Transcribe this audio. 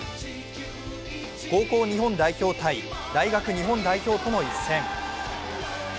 高校日本代表対大学日本代表との一戦。